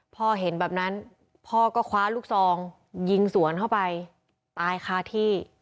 พ่อเห็นแบบนั้นพ่อก็คว้าลูกซองยิงสวนเข้าไปตายคาที่